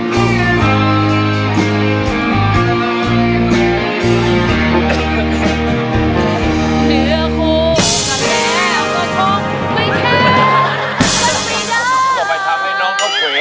ก็ไปทำให้น้องเขาเขวซะอย่างนั้น